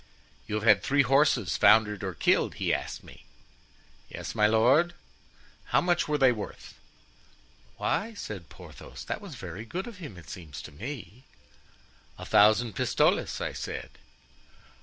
"'You have had three horses foundered or killed?' he asked me. "'Yes, my lord.' "'How much were they worth?'" "Why," said Porthos, "that was very good of him, it seems to me." "'A thousand pistoles,' I said."